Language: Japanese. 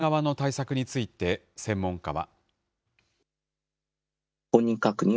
販売側の対策について専門家は。